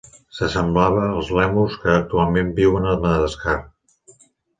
S'assemblava als lèmurs que actualment viuen a Madagascar.